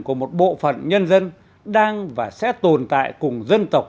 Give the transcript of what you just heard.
của một bộ phận nhân dân đang và sẽ tồn tại cùng dân tộc